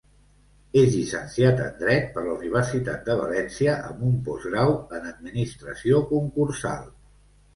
És llicenciat en Dret per la Universitat de València amb un postgrau en administració concursal.